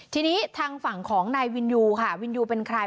ทีนี้ทางฝั่งของนายวินยูค่ะวินยูเป็นใคร